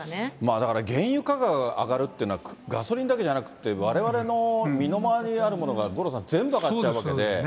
だから原油価格が上がるっていうのは、ガソリンだけじゃなくて、われわれのみの周りにあるものが五郎さん、そうですよね。